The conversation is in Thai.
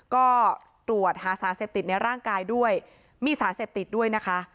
ก็ตรวจหาสารเสพติดในร่างกายด้วยมีสารเสพติดด้วยนะคะ